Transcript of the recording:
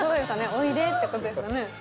「おいで」って事ですかね？